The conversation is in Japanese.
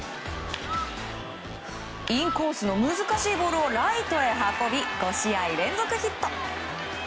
インコースの難しいボールをライトへ運び５試合連続ヒット。